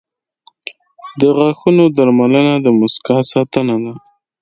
• د غاښونو درملنه د مسکا ساتنه ده.